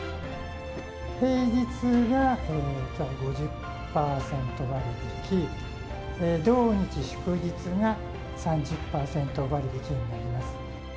平日が５０％割引き、土日祝日が３０％割引きになります。